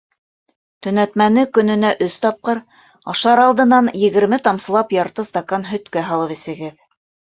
Төнәтмәне көнөнә өс тапҡыр ашар алдынан егерме тамсылап ярты стакан һөткә һалып эсегеҙ.